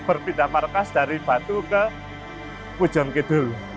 berpindah markas dari batu ke pujon kidul